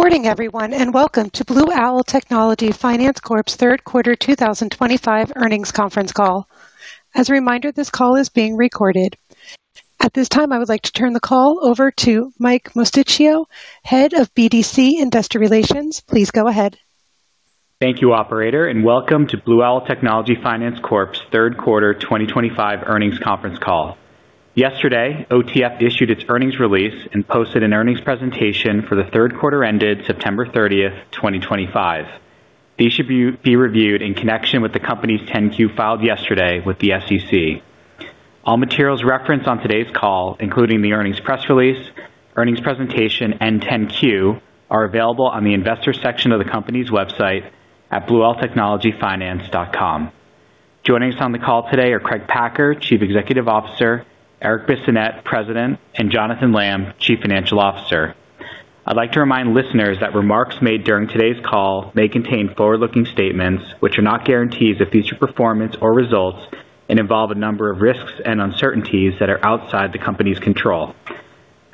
Good morning, everyone, and welcome to Blue Owl Technology Finance Corp's third quarter 2025 earnings conference call. As a reminder, this call is being recorded. At this time, I would like to turn the call over to Mike Mosticchio, Head of BDC Investor Relations. Please go ahead. Thank you, Operator, and welcome to Blue Owl Technology Finance Corp's third quarter 2025 earnings conference call. Yesterday, OTF issued its earnings release and posted an earnings presentation for the third quarter ended September 30, 2025. These should be reviewed in connection with the company's 10-Q filed yesterday with the U.S. Securities and Exchange Commission. All materials referenced on today's call, including the earnings press release, earnings presentation, and 10-Q, are available on the investor section of the company's website at blueowltechnologyfinance.com. Joining us on the call today are Craig Packer, Chief Executive Officer, Eric Bissonnette, President, and Jonathan Lamm, Chief Financial Officer. I'd like to remind listeners that remarks made during today's call may contain forward-looking statements which are not guarantees of future performance or results and involve a number of risks and uncertainties that are outside the company's control.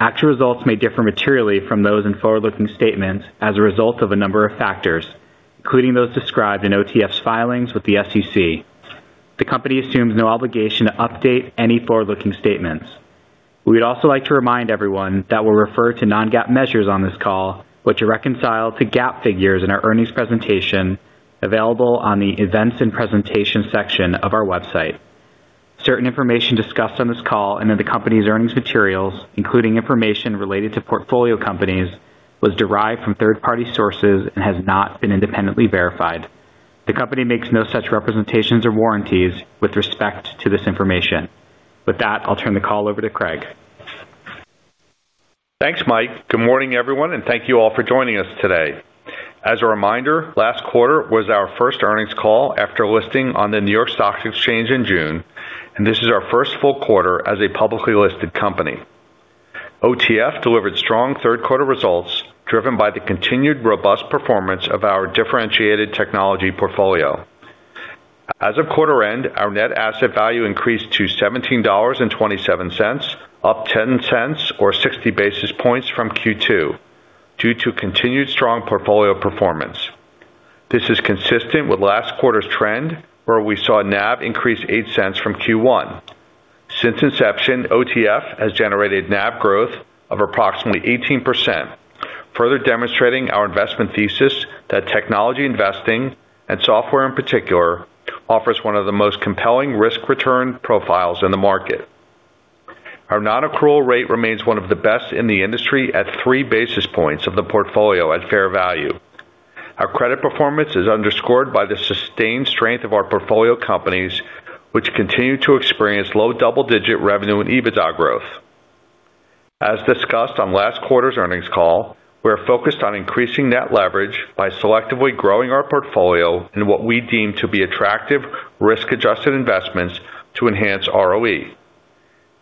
Actual results may differ materially from those in forward-looking statements as a result of a number of factors, including those described in OTF's filings with the U.S. Securities and Exchange Commission. The company assumes no obligation to update any forward-looking statements. We would also like to remind everyone that we'll refer to non-GAAP measures on this call, which are reconciled to GAAP figures in our earnings presentation available on the events and presentations section of our website. Certain information discussed on this call and in the company's earnings materials, including information related to portfolio companies, was derived from third-party sources and has not been independently verified. The company makes no such representations or warranties with respect to this information. With that, I'll turn the call over to Craig. Thanks, Mike. Good morning, everyone, and thank you all for joining us today. As a reminder, last quarter was our first earnings call after listing on the New York Stock Exchange in June, and this is our first full quarter as a publicly listed company. OTF delivered strong third-quarter results driven by the continued robust performance of our differentiated technology portfolio. As of quarter end, our net asset value increased to $17.27, up $0.10 or 60 basis points from Q2 due to continued strong portfolio performance. This is consistent with last quarter's trend, where we saw NAV increase $0.08 from Q1. Since inception, OTF has generated NAV growth of approximately 18%. Further demonstrating our investment thesis that technology investing, and software in particular, offers one of the most compelling risk-return profiles in the market. Our non-accrual rate remains one of the best in the industry at three basis points of the portfolio at fair value. Our credit performance is underscored by the sustained strength of our portfolio companies, which continue to experience low double-digit revenue and EBITDA growth. As discussed on last quarter's earnings call, we are focused on increasing net leverage by selectively growing our portfolio in what we deem to be attractive, risk-adjusted investments to enhance ROE.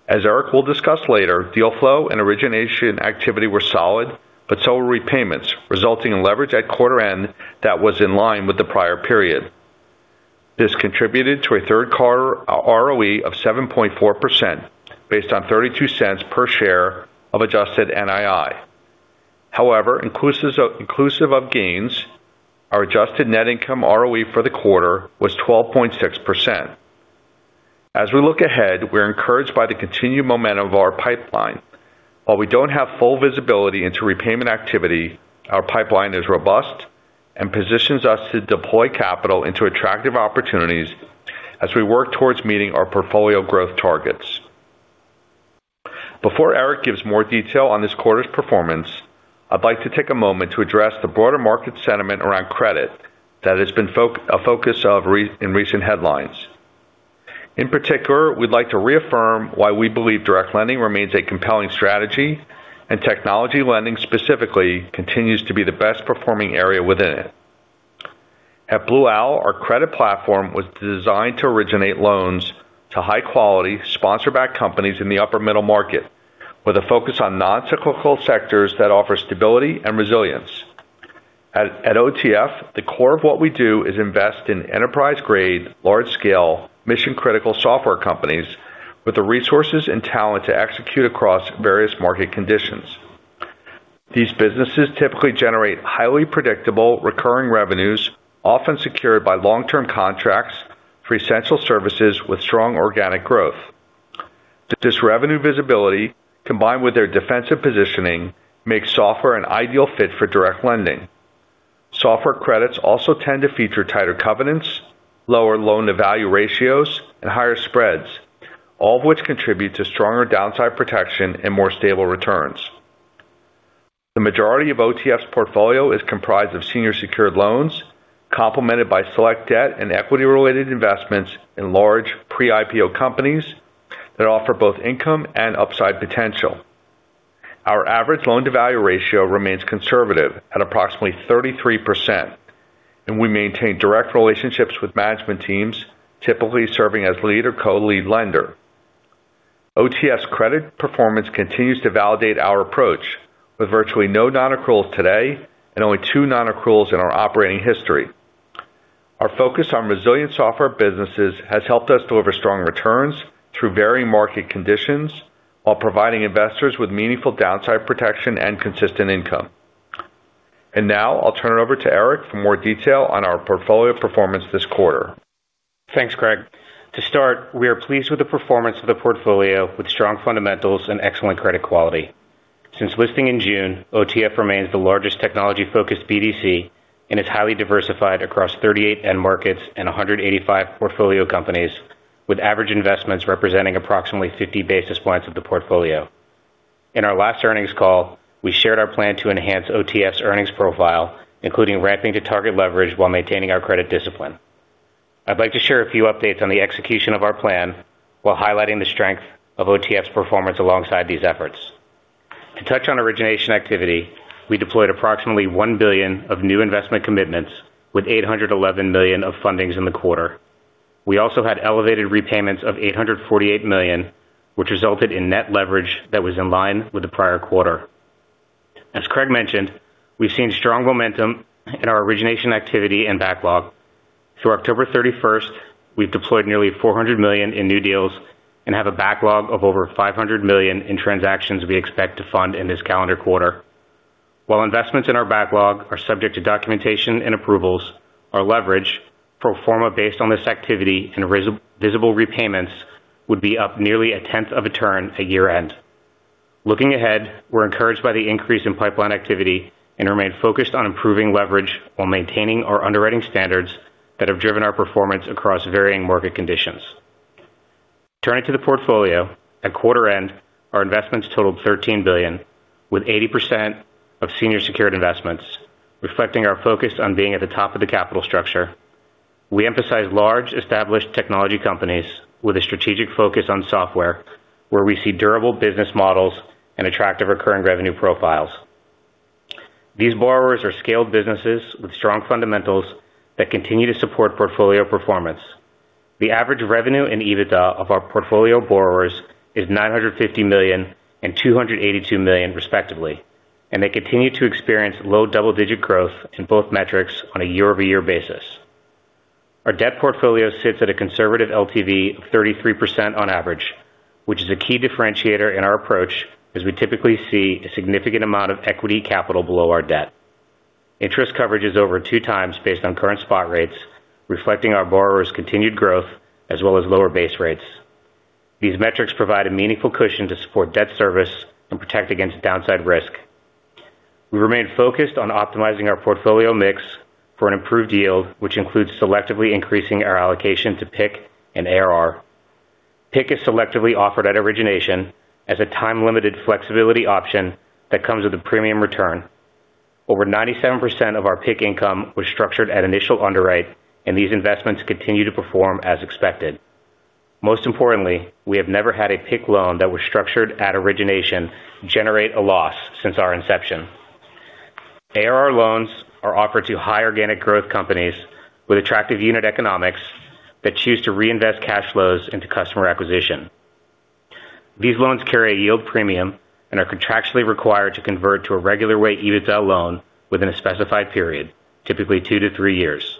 As Eric will discuss later, deal flow and origination activity were solid, but so were repayments, resulting in leverage at quarter end that was in line with the prior period. This contributed to a third-quarter ROE of 7.4% based on $0.32 per share of adjusted NII. However, inclusive of gains, our adjusted net income ROE for the quarter was 12.6%. As we look ahead, we're encouraged by the continued momentum of our pipeline. While we don't have full visibility into repayment activity, our pipeline is robust and positions us to deploy capital into attractive opportunities as we work towards meeting our portfolio growth targets. Before Eric gives more detail on this quarter's performance, I'd like to take a moment to address the broader market sentiment around credit that has been a focus of recent headlines. In particular, we'd like to reaffirm why we believe direct lending remains a compelling strategy and technology lending specifically continues to be the best-performing area within it. At Blue Owl, our credit platform was designed to originate loans to high-quality, sponsor-backed companies in the upper-middle market with a focus on non-cyclical sectors that offer stability and resilience. At OTF, the core of what we do is invest in enterprise-grade, large-scale, mission-critical software companies with the resources and talent to execute across various market conditions. These businesses typically generate highly predictable recurring revenues, often secured by long-term contracts for essential services with strong organic growth. This revenue visibility, combined with their defensive positioning, makes software an ideal fit for direct lending. Software credits also tend to feature tighter covenants, lower loan-to-value ratios, and higher spreads, all of which contribute to stronger downside protection and more stable returns. The majority of OTF's portfolio is comprised of senior secured loans, complemented by select debt and equity-related investments in large pre-IPO companies that offer both income and upside potential. Our average loan-to-value ratio remains conservative at approximately 33%. We maintain direct relationships with management teams, typically serving as lead or co-lead lender. OTF's credit performance continues to validate our approach, with virtually no non-accruals today and only two non-accruals in our operating history. Our focus on resilient software businesses has helped us deliver strong returns through varying market conditions while providing investors with meaningful downside protection and consistent income. Now, I'll turn it over to Eric for more detail on our portfolio performance this quarter. Thanks, Craig. To start, we are pleased with the performance of the portfolio with strong fundamentals and excellent credit quality. Since listing in June, OTF remains the largest technology-focused BDC and is highly diversified across 38 end markets and 185 portfolio companies, with average investments representing approximately 50 basis points of the portfolio. In our last earnings call, we shared our plan to enhance OTF's earnings profile, including ramping to target leverage while maintaining our credit discipline. I'd like to share a few updates on the execution of our plan while highlighting the strength of OTF's performance alongside these efforts. To touch on origination activity, we deployed approximately $1 billion of new investment commitments with $811 million of fundings in the quarter. We also had elevated repayments of $848 million, which resulted in net leverage that was in line with the prior quarter. As Craig mentioned, we've seen strong momentum in our origination activity and backlog. Through October 31st, we've deployed nearly $400 million in new deals and have a backlog of over $500 million in transactions we expect to fund in this calendar quarter. While investments in our backlog are subject to documentation and approvals, our leverage for a format based on this activity and visible repayments would be up nearly a tenth of a turn at year-end. Looking ahead, we're encouraged by the increase in pipeline activity and remain focused on improving leverage while maintaining our underwriting standards that have driven our performance across varying market conditions. Turning to the portfolio, at quarter end, our investments totaled $13 billion, with 80% of senior secured investments, reflecting our focus on being at the top of the capital structure. We emphasize large, established technology companies with a strategic focus on software, where we see durable business models and attractive recurring revenue profiles. These borrowers are scaled businesses with strong fundamentals that continue to support portfolio performance. The average revenue and EBITDA of our portfolio borrowers is $950 million and $282 million, respectively, and they continue to experience low double-digit growth in both metrics on a year-over-year basis. Our debt portfolio sits at a conservative LTV of 33% on average, which is a key differentiator in our approach as we typically see a significant amount of equity capital below our debt. Interest coverage is over two times based on current spot rates, reflecting our borrowers' continued growth as well as lower base rates. These metrics provide a meaningful cushion to support debt service and protect against downside risk. We remain focused on optimizing our portfolio mix for an improved yield, which includes selectively increasing our allocation to PIK and ARR. PIK is selectively offered at origination as a time-limited flexibility option that comes with a premium return. Over 97% of our PIK income was structured at initial underwrite, and these investments continue to perform as expected. Most importantly, we have never had a PIK loan that was structured at origination generate a loss since our inception. ARR loans are offered to high organic growth companies with attractive unit economics that choose to reinvest cash flows into customer acquisition. These loans carry a yield premium and are contractually required to convert to a regular rate EBITDA loan within a specified period, typically two to three years.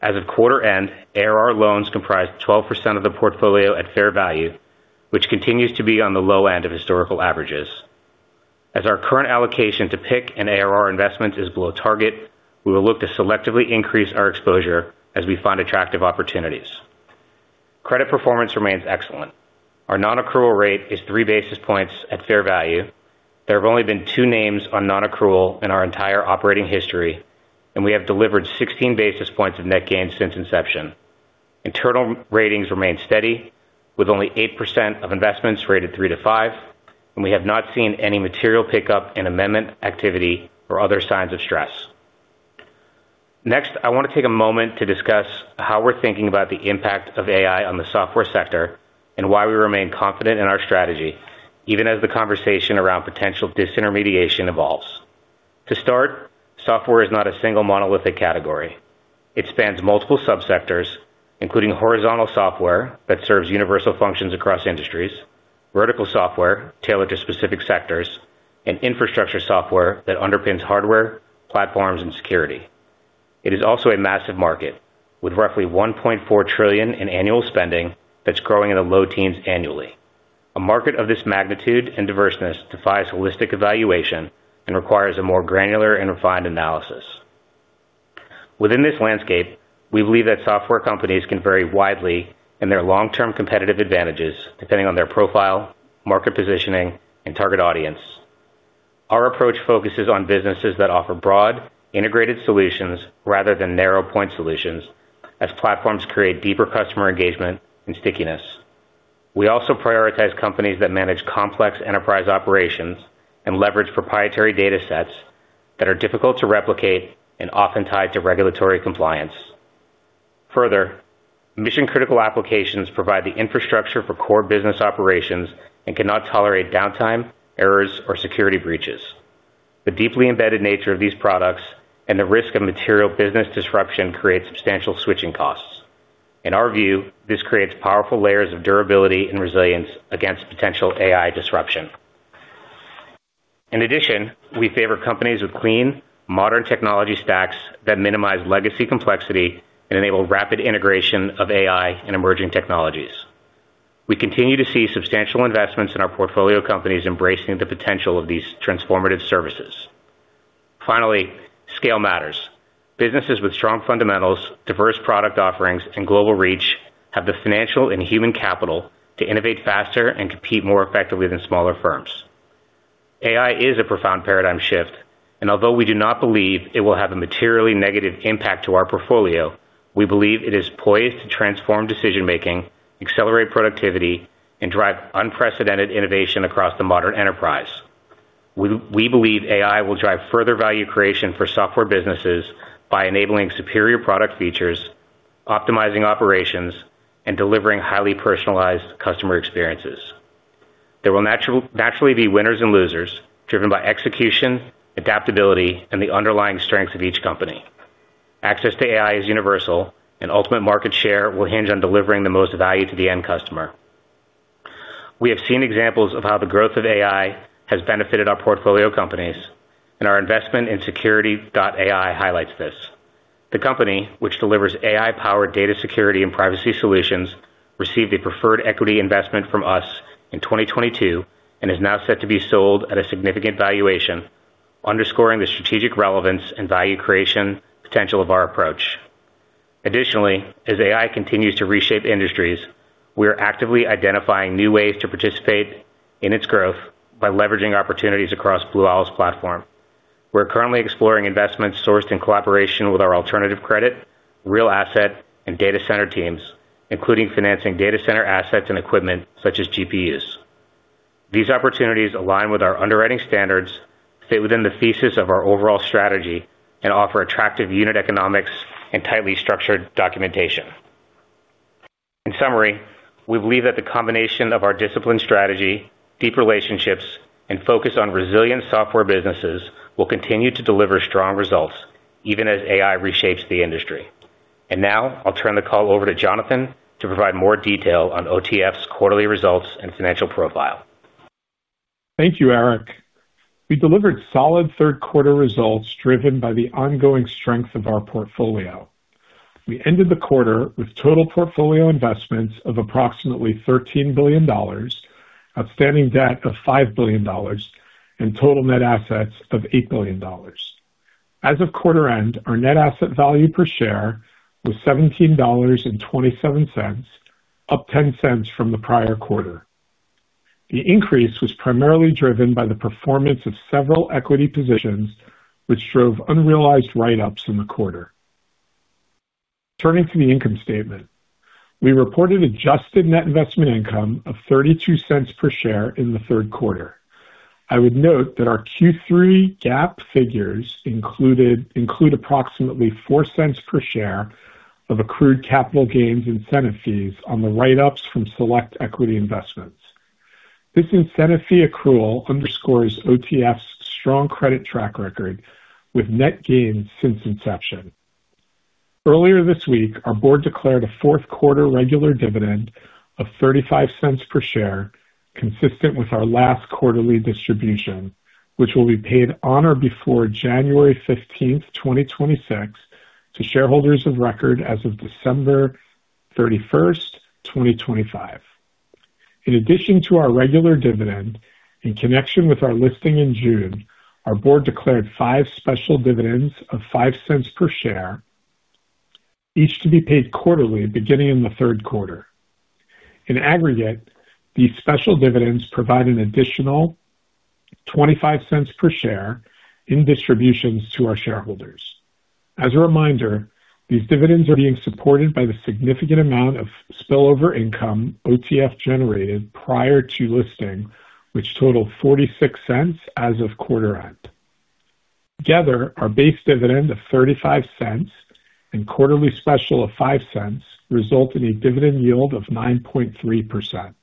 As of quarter end, ARR loans comprise 12% of the portfolio at fair value, which continues to be on the low end of historical averages. As our current allocation to PIK and ARR investments is below target, we will look to selectively increase our exposure as we find attractive opportunities. Credit performance remains excellent. Our non-accrual rate is three basis points at fair value. There have only been two names on non-accrual in our entire operating history, and we have delivered 16 basis points of net gains since inception. Internal ratings remain steady, with only 8% of investments rated three to five, and we have not seen any material pickup in amendment activity or other signs of stress. Next, I want to take a moment to discuss how we're thinking about the impact of AI on the software sector and why we remain confident in our strategy, even as the conversation around potential disintermediation evolves. To start, software is not a single monolithic category. It spans multiple subsectors, including horizontal software that serves universal functions across industries, vertical software tailored to specific sectors, and infrastructure software that underpins hardware, platforms, and security. It is also a massive market, with roughly $1.4 trillion in annual spending that's growing in the low teens annually. A market of this magnitude and diverseness defies holistic evaluation and requires a more granular and refined analysis. Within this landscape, we believe that software companies can vary widely in their long-term competitive advantages depending on their profile, market positioning, and target audience. Our approach focuses on businesses that offer broad, integrated solutions rather than narrow-point solutions, as platforms create deeper customer engagement and stickiness. We also prioritize companies that manage complex enterprise operations and leverage proprietary data sets that are difficult to replicate and often tied to regulatory compliance. Further, mission-critical applications provide the infrastructure for core business operations and cannot tolerate downtime, errors, or security breaches. The deeply embedded nature of these products and the risk of material business disruption create substantial switching costs. In our view, this creates powerful layers of durability and resilience against potential AI disruption. In addition, we favor companies with clean, modern technology stacks that minimize legacy complexity and enable rapid integration of AI and emerging technologies. We continue to see substantial investments in our portfolio companies embracing the potential of these transformative services. Finally, scale matters. Businesses with strong fundamentals, diverse product offerings, and global reach have the financial and human capital to innovate faster and compete more effectively than smaller firms. AI is a profound paradigm shift, and although we do not believe it will have a materially negative impact to our portfolio, we believe it is poised to transform decision-making, accelerate productivity, and drive unprecedented innovation across the modern enterprise. We believe AI will drive further value creation for software businesses by enabling superior product features, optimizing operations, and delivering highly personalized customer experiences. There will naturally be winners and losers driven by execution, adaptability, and the underlying strength of each company. Access to AI is universal, and ultimate market share will hinge on delivering the most value to the end customer. We have seen examples of how the growth of AI has benefited our portfolio companies, and our investment in Security.ai highlights this. The company, which delivers AI-powered data security and privacy solutions, received a preferred equity investment from us in 2022 and is now set to be sold at a significant valuation, underscoring the strategic relevance and value creation potential of our approach. Additionally, as AI continues to reshape industries, we are actively identifying new ways to participate in its growth by leveraging opportunities across Blue Owl's platform. We're currently exploring investments sourced in collaboration with our alternative credit, real asset, and data center teams, including financing data center assets and equipment such as GPUs. These opportunities align with our underwriting standards, fit within the thesis of our overall strategy, and offer attractive unit economics and tightly structured documentation. In summary, we believe that the combination of our disciplined strategy, deep relationships, and focus on resilient software businesses will continue to deliver strong results even as AI reshapes the industry. Now, I'll turn the call over to Jonathan to provide more detail on OTF's quarterly results and financial profile. Thank you, Eric. We delivered solid third-quarter results driven by the ongoing strength of our portfolio. We ended the quarter with total portfolio investments of approximately $13 billion, outstanding debt of $5 billion, and total net assets of $8 billion. As of quarter end, our net asset value per share was $17.27, up $0.10 from the prior quarter. The increase was primarily driven by the performance of several equity positions, which drove unrealized write-ups in the quarter. Turning to the income statement, we reported adjusted net investment income of $0.32 per share in the third quarter. I would note that our Q3 GAAP figures included approximately $0.04 per share of accrued capital gains incentive fees on the write-ups from select equity investments. This incentive fee accrual underscores OTF's strong credit track record with net gains since inception. Earlier this week, our board declared a fourth-quarter regular dividend of $0.35 per share, consistent with our last quarterly distribution, which will be paid on or before January 15th, 2026, to shareholders of record as of December 31st, 2025. In addition to our regular dividend, in connection with our listing in June, our board declared five special dividends of $0.05 per share, each to be paid quarterly beginning in the third quarter. In aggregate, these special dividends provide an additional $0.25 per share in distributions to our shareholders. As a reminder, these dividends are being supported by the significant amount of spillover income OTF generated prior to listing, which totaled $0.46 as of quarter end. Together, our base dividend of $0.35 and quarterly special of $0.05 result in a dividend yield of 9.3%.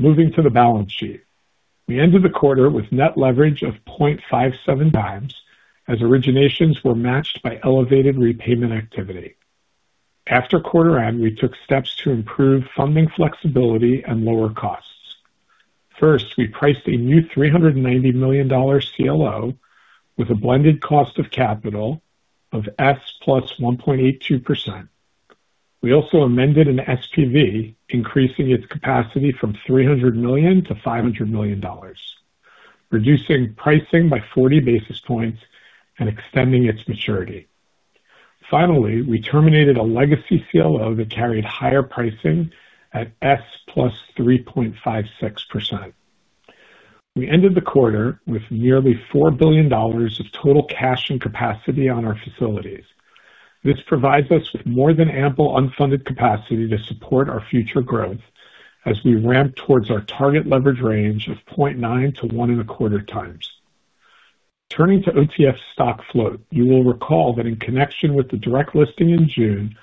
Moving to the balance sheet, we ended the quarter with net leverage of 0.57x as originations were matched by elevated repayment activity. After quarter end, we took steps to improve funding flexibility and lower costs. First, we priced a new $390 million CLO with a blended cost of capital of S plus 1.82%. We also amended an SPV, increasing its capacity from $300 million to $500 million, reducing pricing by 40 basis points and extending its maturity. Finally, we terminated a legacy CLO that carried higher pricing at S plus 3.56%. We ended the quarter with nearly $4 billion of total cash and capacity on our facilities. This provides us with more than ample unfunded capacity to support our future growth as we ramp towards our target leverage range of 0.9x-1.25x. Turning to OTF's stock float, you will recall that in connection with the direct listing in June,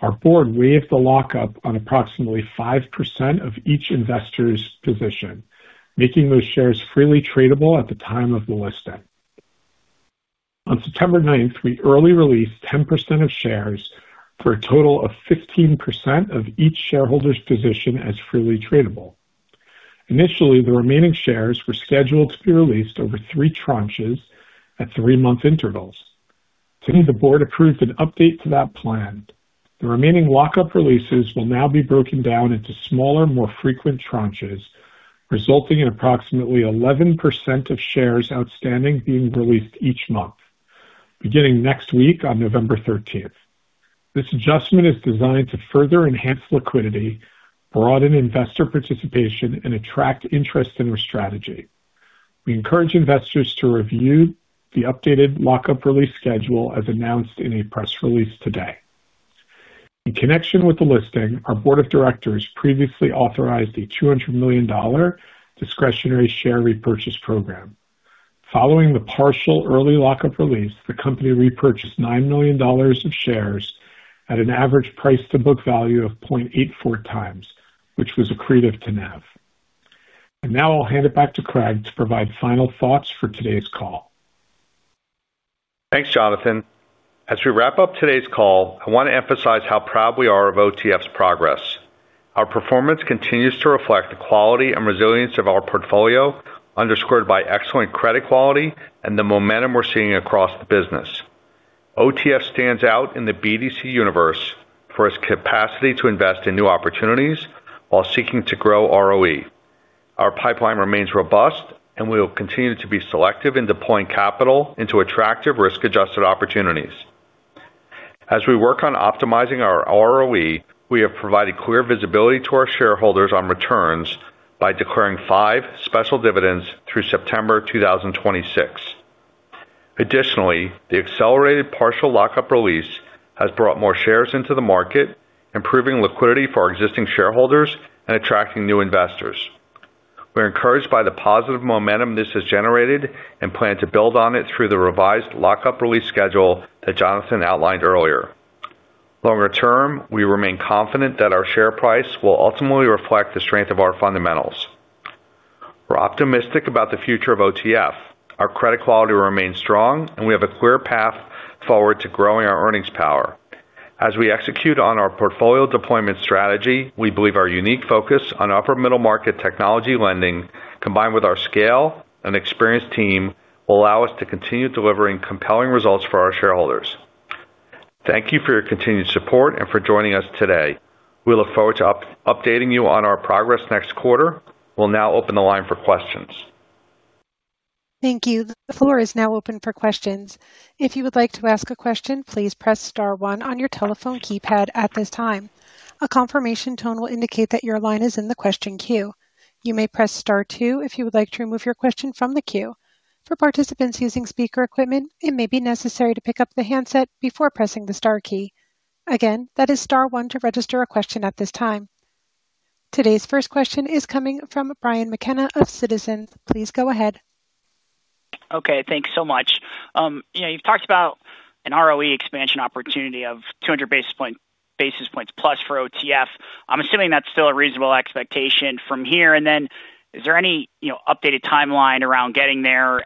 our board waived the lockup on approximately 5% of each investor's position, making those shares freely tradable at the time of the listing. On September 9th, we early released 10% of shares for a total of 15% of each shareholder's position as freely tradable. Initially, the remaining shares were scheduled to be released over three tranches at three-month intervals. Today, the board approved an update to that plan. The remaining lockup releases will now be broken down into smaller, more frequent tranches, resulting in approximately 11% of shares outstanding being released each month, beginning next week on November 13th. This adjustment is designed to further enhance liquidity, broaden investor participation, and attract interest in our strategy. We encourage investors to review the updated lockup release schedule as announced in a press release today. In connection with the listing, our board of directors previously authorized a $200 million discretionary share repurchase program. Following the partial early lockup release, the company repurchased $9 million of shares at an average price-to-book value of 0.84x, which was accretive to NAV. Now I'll hand it back to Craig to provide final thoughts for today's call. Thanks, Jonathan. As we wrap up today's call, I want to emphasize how proud we are of OTF's progress. Our performance continues to reflect the quality and resilience of our portfolio, underscored by excellent credit quality and the momentum we're seeing across the business. OTF stands out in the BDC universe for its capacity to invest in new opportunities while seeking to grow ROE. Our pipeline remains robust, and we will continue to be selective in deploying capital into attractive risk-adjusted opportunities. As we work on optimizing our ROE, we have provided clear visibility to our shareholders on returns by declaring five special dividends through September 2026. Additionally, the accelerated partial lockup release has brought more shares into the market, improving liquidity for our existing shareholders and attracting new investors. We're encouraged by the positive momentum this has generated and plan to build on it through the revised lockup release schedule that Jonathan outlined earlier. Longer term, we remain confident that our share price will ultimately reflect the strength of our fundamentals. We're optimistic about the future of OTF. Our credit quality remains strong, and we have a clear path forward to growing our earnings power. As we execute on our portfolio deployment strategy, we believe our unique focus on upper-middle market technology lending, combined with our scale and experienced team, will allow us to continue delivering compelling results for our shareholders. Thank you for your continued support and for joining us today. We look forward to updating you on our progress next quarter. We'll now open the line for questions. Thank you. The floor is now open for questions. If you would like to ask a question, please press star one on your telephone keypad at this time. A confirmation tone will indicate that your line is in the question queue. You may press star two if you would like to remove your question from the queue. For participants using speaker equipment, it may be necessary to pick up the handset before pressing the star key. Again, that is star one to register a question at this time. Today's first question is coming from Brian McKenna of Citizens. Please go ahead. Okay. Thanks so much. You've talked about an ROE expansion opportunity of 200 basis points plus for OTF. I'm assuming that's still a reasonable expectation from here. Is there any updated timeline around getting there?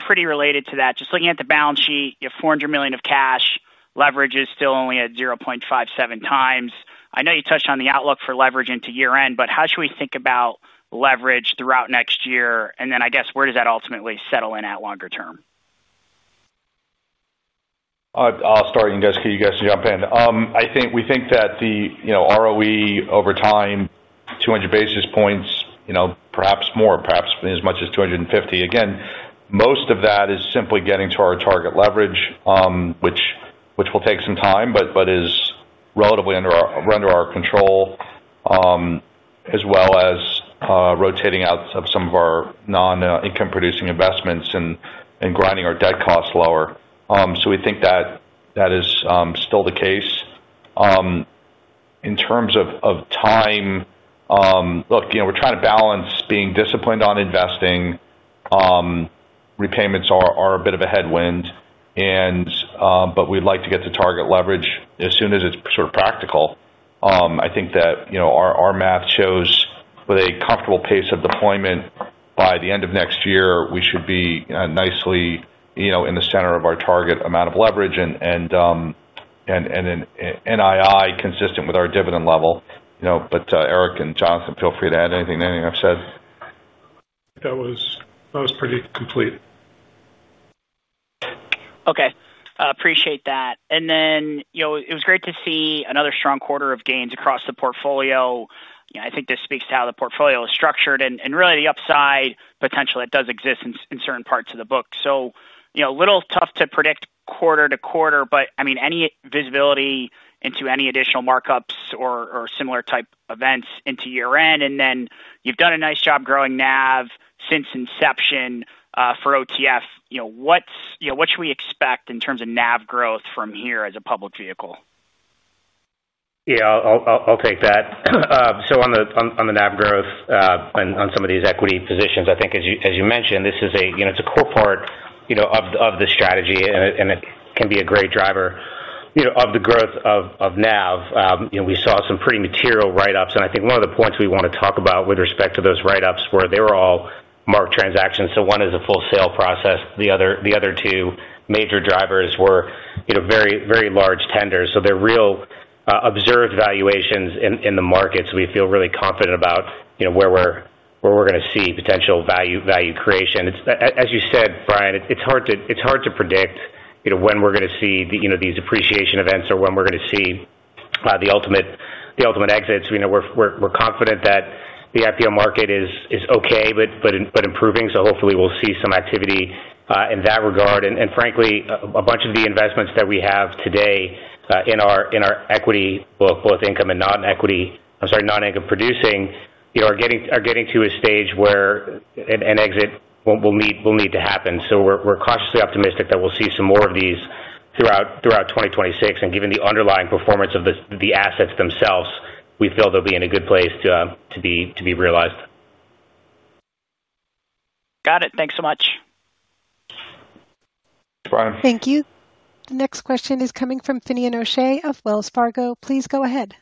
Pretty related to that, just looking at the balance sheet, you have $400 million of cash. Leverage is still only at 0.57x. I know you touched on the outlook for leverage into year-end, but how should we think about leverage throughout next year? I guess, where does that ultimately settle in at longer term? I'll start, and you guys can jump in. We think that the ROE over time, 200 basis points, perhaps more, perhaps as much as 250. Again, most of that is simply getting to our target leverage, which will take some time but is relatively under our control, as well as rotating out of some of our non-income-producing investments and grinding our debt costs lower. We think that is still the case. In terms of time, look, we're trying to balance being disciplined on investing. Repayments are a bit of a headwind, but we'd like to get to target leverage as soon as it's sort of practical. I think that our math shows with a comfortable pace of deployment by the end of next year, we should be nicely in the center of our target amount of leverage and an NII consistent with our dividend level. Eric and Jonathan, feel free to add anything to anything I've said. That was pretty complete. Okay. Appreciate that. It was great to see another strong quarter of gains across the portfolio. I think this speaks to how the portfolio is structured. Really, the upside potential, it does exist in certain parts of the book. A little tough to predict quarter to quarter, but I mean, any visibility into any additional markups or similar type events into year-end? You have done a nice job growing NAV since inception for OTF. What should we expect in terms of NAV growth from here as a public vehicle? Yeah. I'll take that. On the NAV growth and on some of these equity positions, I think, as you mentioned, this is a core part of the strategy, and it can be a great driver of the growth of NAV. We saw some pretty material write-ups. I think one of the points we want to talk about with respect to those write-ups were they were all marked transactions. One is a full sale process. The other two major drivers were very large tenders. They are real observed valuations in the markets. We feel really confident about where we are going to see potential value creation. As you said, Brian, it is hard to predict when we are going to see these appreciation events or when we are going to see the ultimate exits. We are confident that the IPO market is okay but improving. Hopefully, we'll see some activity in that regard. Frankly, a bunch of the investments that we have today in our equity book, both income and non-equity—I'm sorry, non-income producing—are getting to a stage where an exit will need to happen. We're cautiously optimistic that we'll see some more of these throughout 2026. Given the underlying performance of the assets themselves, we feel they'll be in a good place to be realized. Got it. Thanks so much. Thanks, Brian. Thank you. The next question is coming from Finian O'Shea of Wells Fargo. Please go ahead.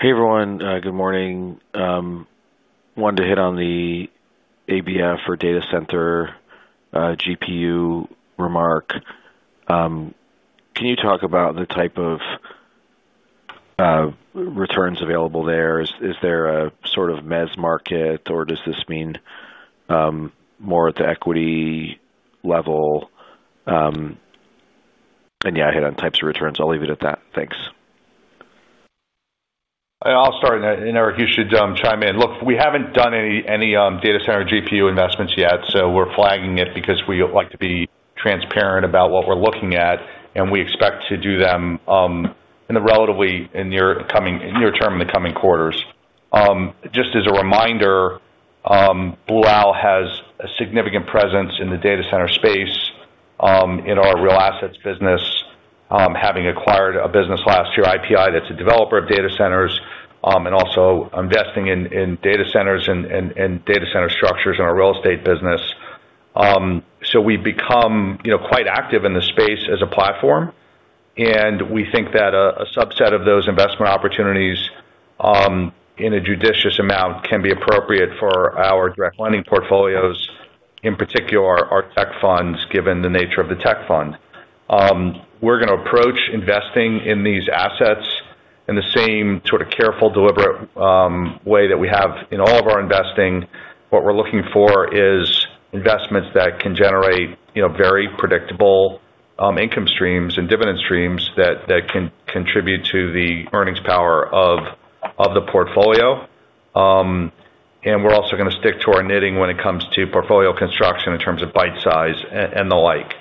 Hey, everyone. Good morning. I wanted to hit on the ABF or data center GPU remark. Can you talk about the type of returns available there? Is there a sort of mez market, or does this mean more at the equity level? Yeah, I hit on types of returns. I'll leave it at that. Thanks. I'll start. Eric, you should chime in. Look, we haven't done any data center GPU investments yet, so we're flagging it because we like to be transparent about what we're looking at, and we expect to do them in the relatively near term in the coming quarters. Just as a reminder, Blue Owl has a significant presence in the data center space in our real assets business, having acquired a business last year, IPI, that's a developer of data centers, and also investing in data centers and data center structures in our real estate business. We've become quite active in the space as a platform, and we think that a subset of those investment opportunities in a judicious amount can be appropriate for our direct lending portfolios, in particular our tech funds, given the nature of the tech fund. We're going to approach investing in these assets in the same sort of careful, deliberate way that we have in all of our investing. What we're looking for is investments that can generate very predictable income streams and dividend streams that can contribute to the earnings power of the portfolio. We're also going to stick to our knitting when it comes to portfolio construction in terms of bite size and the like.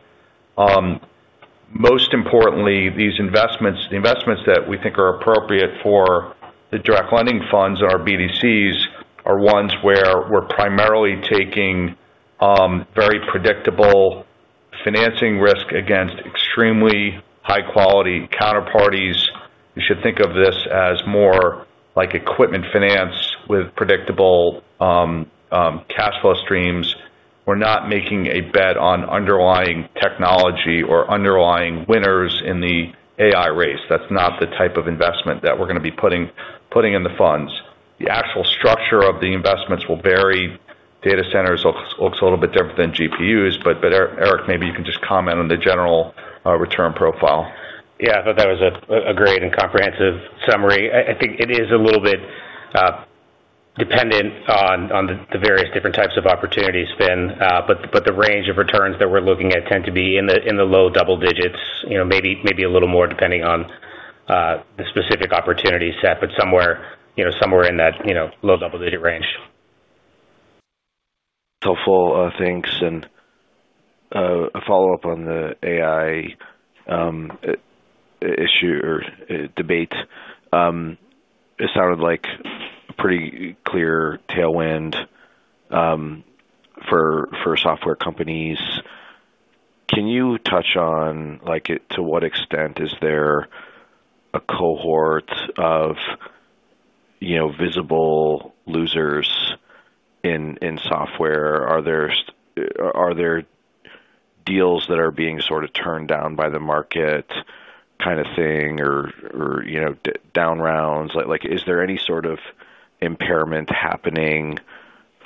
Most importantly, these investments, the investments that we think are appropriate for the direct lending funds and our BDCs, are ones where we're primarily taking very predictable financing risk against extremely high-quality counterparties. You should think of this as more like equipment finance with predictable cash flow streams. We're not making a bet on underlying technology or underlying winners in the AI race. That's not the type of investment that we're going to be putting in the funds. The actual structure of the investments will vary. Data centers looks a little bit different than GPUs. Eric, maybe you can just comment on the general return profile. Yeah. I thought that was a great and comprehensive summary. I think it is a little bit dependent on the various different types of opportunities, Finn, but the range of returns that we're looking at tend to be in the low double digits, maybe a little more depending on the specific opportunity set, but somewhere in that low double digit range. Helpful. Thanks. A follow-up on the AI issue or debate. It sounded like a pretty clear tailwind for software companies. Can you touch on to what extent is there a cohort of visible losers in software? Are there deals that are being sort of turned down by the market kind of thing or down rounds? Is there any sort of impairment happening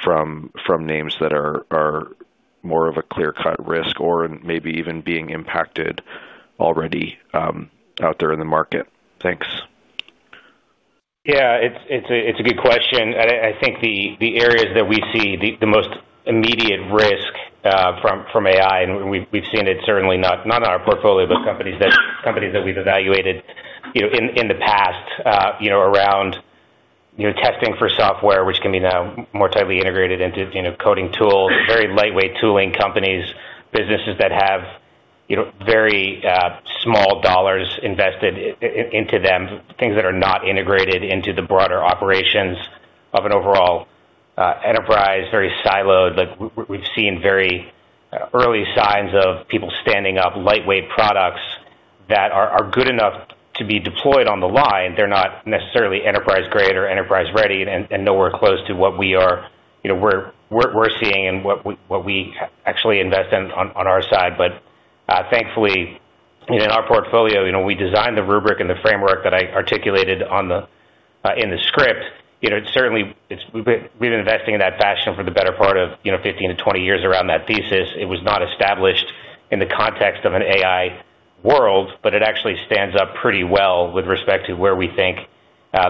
from names that are more of a clear-cut risk or maybe even being impacted already out there in the market? Thanks. Yeah. It's a good question. I think the areas that we see the most immediate risk from AI, and we've seen it certainly not in our portfolio, but companies that we've evaluated in the past, around testing for software, which can be now more tightly integrated into coding tools, very lightweight tooling companies, businesses that have very small dollars invested into them, things that are not integrated into the broader operations of an overall enterprise, very siloed. We've seen very early signs of people standing up lightweight products that are good enough to be deployed on the line. They're not necessarily enterprise-grade or enterprise-ready and nowhere close to what we are. We're seeing and what we actually invest in on our side. Thankfully, in our portfolio, we designed the rubric and the framework that I articulated in the script. Certainly, we've been investing in that fashion for the better part of 15-20 years around that thesis. It was not established in the context of an AI world, but it actually stands up pretty well with respect to where we think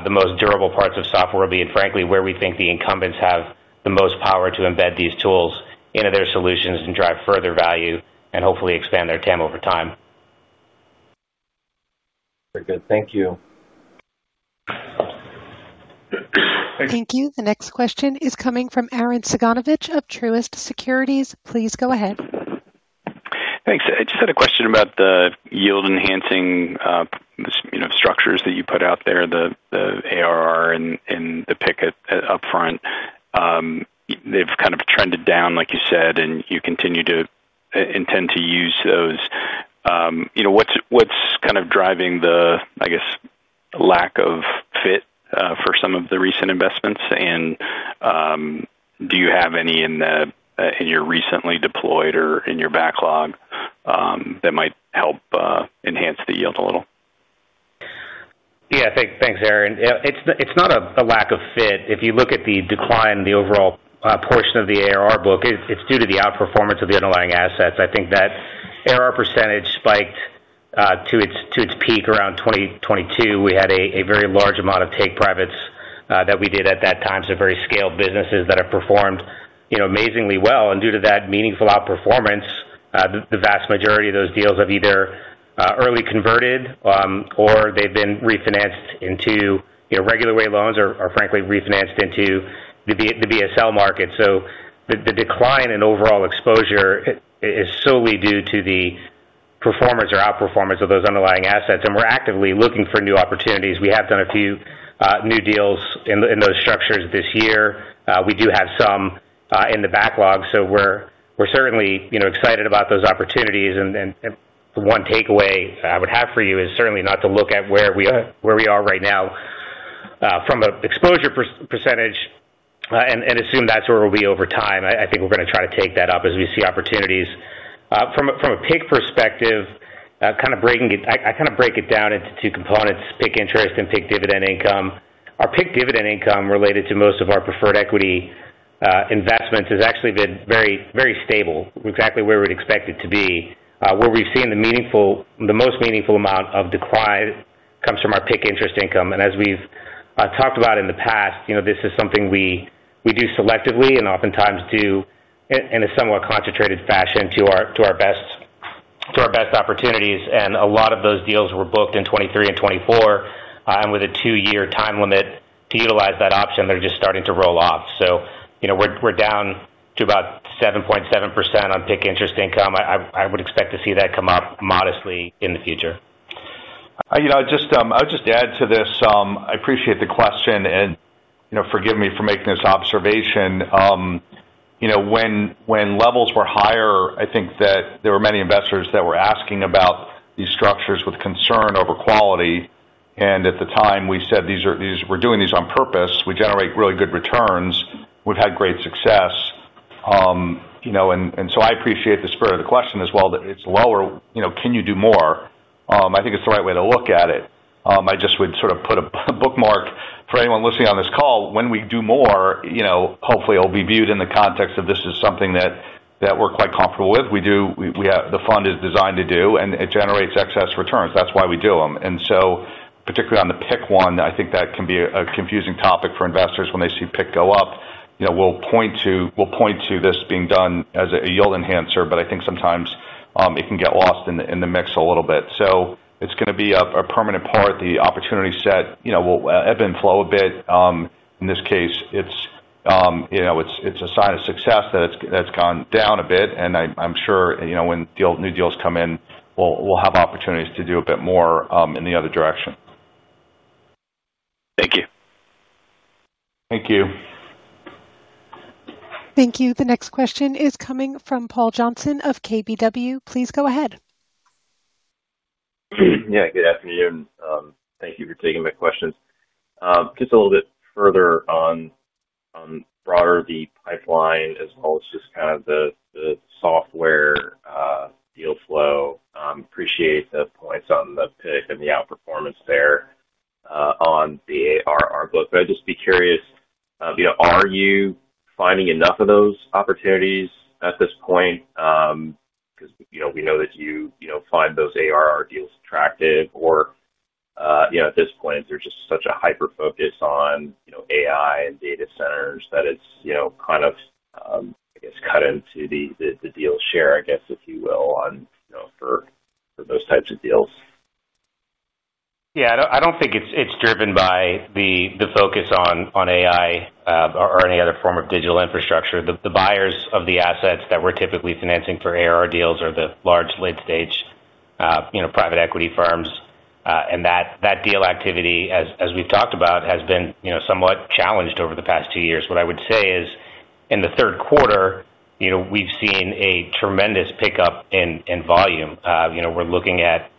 the most durable parts of software will be, and frankly, where we think the incumbents have the most power to embed these tools into their solutions and drive further value and hopefully expand their TAM over time. Very good. Thank you. Thank you. The next question is coming from Arren Cyganovich of Truist Securities. Please go ahead. Thanks. I just had a question about the yield-enhancing structures that you put out there, the ARR and the PIK upfront. They've kind of trended down, like you said, and you continue to intend to use those. What's kind of driving the, I guess, lack of fit for some of the recent investments? Do you have any in your recently deployed or in your backlog that might help enhance the yield a little? Yeah. Thanks, Arren. It's not a lack of fit. If you look at the decline, the overall portion of the ARR book, it's due to the outperformance of the underlying assets. I think that ARR percentage spiked to its peak around 2022. We had a very large amount of take privates that we did at that time, so very scaled businesses that have performed amazingly well. Due to that meaningful outperformance, the vast majority of those deals have either early converted or they've been refinanced into regular rate loans or, frankly, refinanced into the BSL market. The decline in overall exposure is solely due to the performance or outperformance of those underlying assets. We're actively looking for new opportunities. We have done a few new deals in those structures this year. We do have some in the backlog. We're certainly excited about those opportunities. The one takeaway I would have for you is certainly not to look at where we are right now from an exposure percentage and assume that's where we'll be over time. I think we're going to try to take that up as we see opportunities. From a PIK perspective, I kind of break it down into two components: PIK interest and PIK dividend income. Our PIK dividend income, related to most of our preferred equity investments, has actually been very stable, exactly where we'd expect it to be. Where we've seen the most meaningful amount of decline comes from our PIK interest income. As we've talked about in the past, this is something we do selectively and oftentimes do in a somewhat concentrated fashion to our best opportunities. A lot of those deals were booked in 2023 and 2024. With a two-year time limit to utilize that option, they're just starting to roll off. We are down to about 7.7% on PIK interest income. I would expect to see that come up modestly in the future. I would just add to this. I appreciate the question, and forgive me for making this observation. When levels were higher, I think that there were many investors that were asking about these structures with concern over quality. At the time, we said we're doing these on purpose. We generate really good returns. We've had great success. I appreciate the spirit of the question as well that it's lower. Can you do more? I think it's the right way to look at it. I just would sort of put a bookmark for anyone listening on this call. When we do more, hopefully, it'll be viewed in the context of this is something that we're quite comfortable with. We do. The fund is designed to do, and it generates excess returns. That's why we do them. Particularly on the PIK one, I think that can be a confusing topic for investors when they see PIK go up. We'll point to this being done as a yield enhancer, but I think sometimes it can get lost in the mix a little bit. It is going to be a permanent part. The opportunity set will ebb and flow a bit. In this case, it is a sign of success that it has gone down a bit. I am sure when new deals come in, we will have opportunities to do a bit more in the other direction. Thank you. Thank you. Thank you. The next question is coming from Paul Johnson of KBW. Please go ahead. Yeah. Good afternoon. Thank you for taking my questions. Just a little bit further on broader V pipeline as well as just kind of the software deal flow. Appreciate the points on the PIK and the outperformance there. On the ARR book. But I'd just be curious. Are you finding enough of those opportunities at this point? Because we know that you find those ARR deals attractive. At this point, there's just such a hyper-focus on AI and data centers that it's kind of, I guess, cut into the deal share, I guess, if you will, for those types of deals. Yeah. I don't think it's driven by the focus on AI or any other form of digital infrastructure. The buyers of the assets that we're typically financing for ARR deals are the large late-stage private equity firms. That deal activity, as we've talked about, has been somewhat challenged over the past two years. What I would say is, in the third quarter, we've seen a tremendous pickup in volume. We're looking at,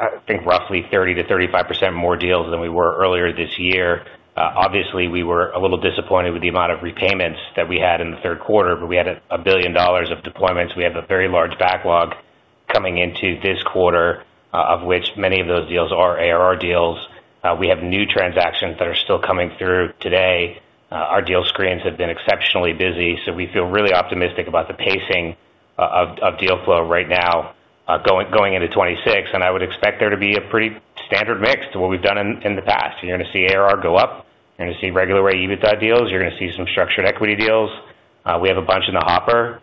I think, roughly 30%-35% more deals than we were earlier this year. Obviously, we were a little disappointed with the amount of repayments that we had in the third quarter, but we had $1 billion of deployments. We have a very large backlog coming into this quarter, of which many of those deals are ARR deals. We have new transactions that are still coming through today. Our deal screens have been exceptionally busy. We feel really optimistic about the pacing of deal flow right now. Going into 2026. I would expect there to be a pretty standard mix to what we've done in the past. You're going to see ARR go up. You're going to see regular rate EBITDA deals. You're going to see some structured equity deals. We have a bunch in the hopper.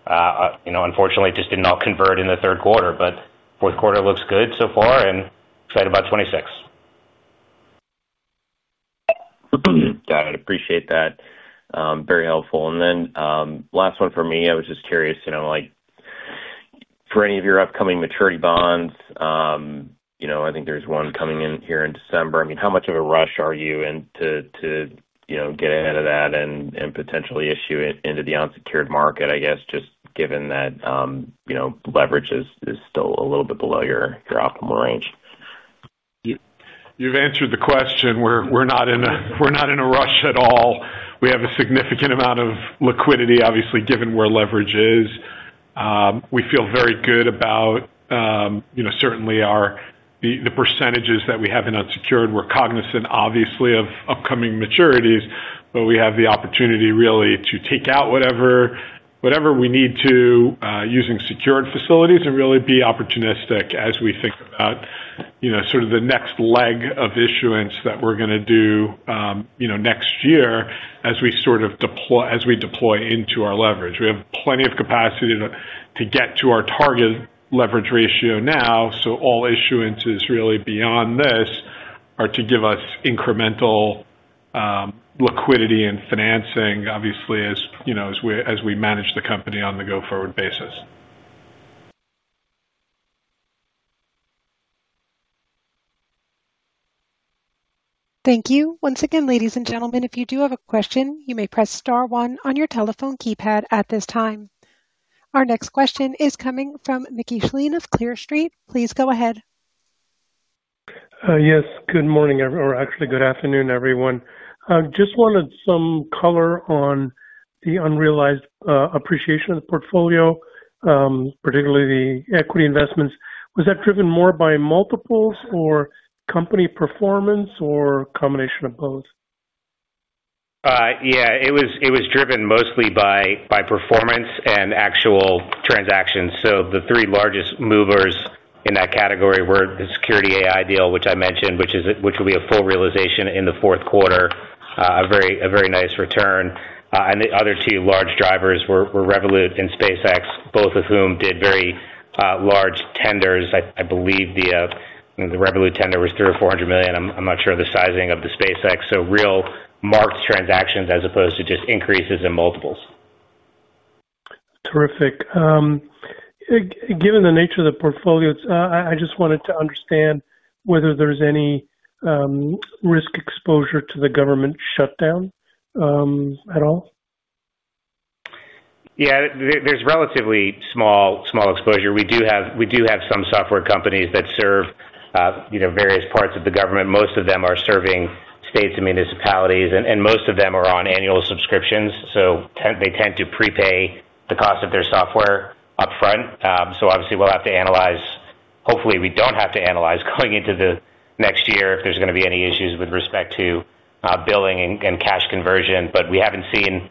Unfortunately, it just didn't all convert in the third quarter, but fourth quarter looks good so far, and excited about 2026. Got it. Appreciate that. Very helpful. Last one for me. I was just curious. For any of your upcoming maturity bonds, I think there is one coming in here in December. I mean, how much of a rush are you in to getting ahead of that and potentially issuing into the unsecured market, I guess, just given that leverage is still a little bit below your optimal range? You've answered the question. We're not in a rush at all. We have a significant amount of liquidity, obviously, given where leverage is. We feel very good about, certainly, the percentages that we have in unsecured. We're cognizant, obviously, of upcoming maturities, but we have the opportunity really to take out whatever we need to using secured facilities and really be opportunistic as we think about sort of the next leg of issuance that we're going to do next year as we deploy into our leverage. We have plenty of capacity to get to our target leverage ratio now. All issuance is really beyond this or to give us incremental liquidity and financing, obviously, as we manage the company on the go-forward basis. Thank you. Once again, ladies and gentlemen, if you do have a question, you may press star one on your telephone keypad at this time. Our next question is coming from Mickey Schleien of Clear Street. Please go ahead. Yes. Good morning, or actually good afternoon, everyone. I just wanted some color on the unrealized appreciation of the portfolio. Particularly the equity investments. Was that driven more by multiples or company performance or a combination of both? Yeah. It was driven mostly by performance and actual transactions. The three largest movers in that category were the Security.ai deal, which I mentioned, which will be a full realization in the fourth quarter, a very nice return. The other two large drivers were Revolut and SpaceX, both of whom did very large tenders. I believe the Revolut tender was $300 million or $400 million. I'm not sure of the sizing of the SpaceX. Real marked transactions as opposed to just increases in multiples. Terrific. Given the nature of the portfolio, I just wanted to understand whether there's any risk exposure to the government shutdown at all. Yeah. There's relatively small exposure. We do have some software companies that serve various parts of the government. Most of them are serving states and municipalities, and most of them are on annual subscriptions. They tend to prepay the cost of their software upfront. Obviously, we'll have to analyze. Hopefully, we don't have to analyze going into the next year if there's going to be any issues with respect to billing and cash conversion. We haven't seen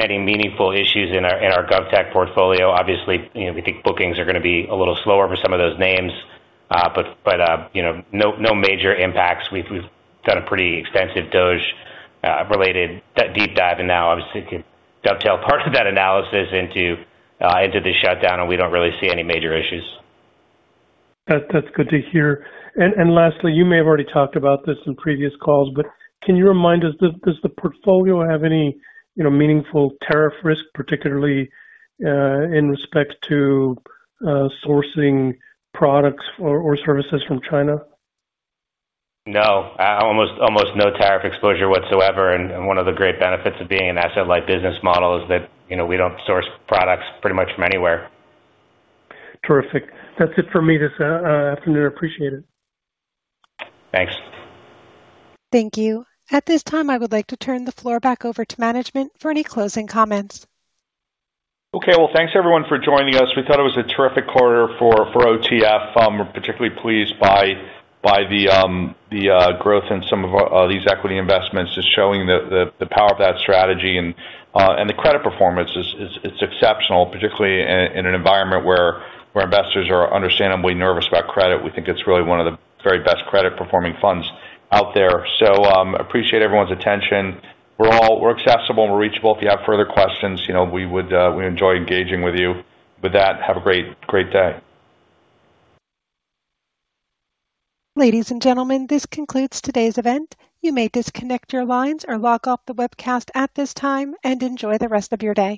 any meaningful issues in our GovTech portfolio. Obviously, we think bookings are going to be a little slower for some of those names, but no major impacts. We've done a pretty extensive GovTech-related deep dive, and now, obviously, you can dovetail part of that analysis into the shutdown, and we don't really see any major issues. That's good to hear. Lastly, you may have already talked about this in previous calls, but can you remind us, does the portfolio have any meaningful tariff risk, particularly in respect to sourcing products or services from China? No. Almost no tariff exposure whatsoever. One of the great benefits of being an asset-light business model is that we do not source products pretty much from anywhere. Terrific. That's it for me this afternoon. Appreciate it. Thanks. Thank you. At this time, I would like to turn the floor back over to management for any closing comments. Okay. Thanks, everyone, for joining us. We thought it was a terrific quarter for OTF. We're particularly pleased by the growth in some of these equity investments, just showing the power of that strategy. The credit performance is exceptional, particularly in an environment where investors are understandably nervous about credit. We think it's really one of the very best credit-performing funds out there. I appreciate everyone's attention. We're accessible and we're reachable. If you have further questions, we would enjoy engaging with you. With that, have a great day. Ladies and gentlemen, this concludes today's event. You may disconnect your lines or log off the webcast at this time and enjoy the rest of your day.